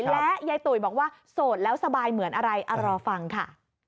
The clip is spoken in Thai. และยายตุ๋ยบอกว่าโสดแล้วสบายเหมือนอะไรรอฟังค่ะ